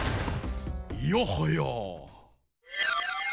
いやはや！